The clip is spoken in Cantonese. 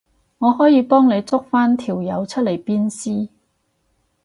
我可以幫你捉返條友出嚟鞭屍